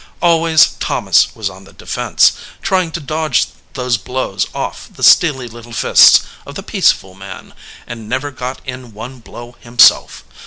Always Thomas was on the defense, trying to dodge those blows off the steely little fists of the peaceful man, and never got in one blow himself.